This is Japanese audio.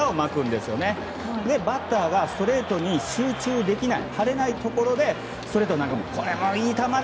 そしてバッターがストレートに集中できない、張れないところでストレートを投げる。